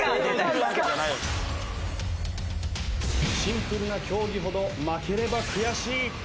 シンプルな競技ほど負ければ悔しい。